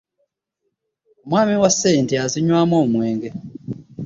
Omwami we ssente azinywamu omwenge.